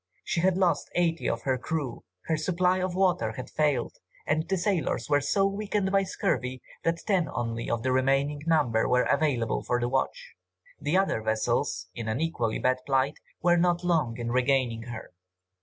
She had lost eighty of her crew, her supply of water had failed, and the sailors were so weakened by scurvy, that ten only of the remaining number were available for the watch. The other vessels, in an equally bad plight, were not long in regaining her.